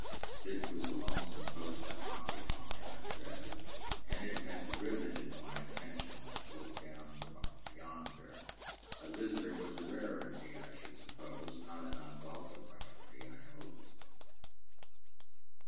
This was a lonesome post to occupy (I said), and it had riveted my attention when I looked down from up yonder. A visitor was a rarity, I should suppose; not an unwelcome rarity, I hoped?